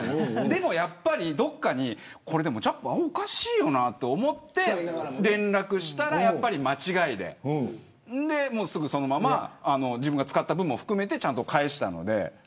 でも、どこかにおかしいよなと思って連絡をしたら、やっぱり間違いですぐそのまま自分が使った分も含めてちゃんと返したので。